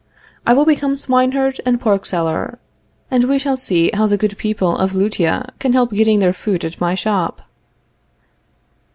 I will become swineherd and pork seller, and we shall see how the good people of Lutetia can help getting their food at my shop.